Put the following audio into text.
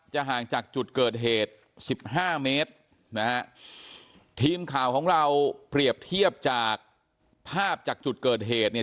ห่างจากจุดเกิดเหตุสิบห้าเมตรนะฮะทีมข่าวของเราเปรียบเทียบจากภาพจากจุดเกิดเหตุเนี่ย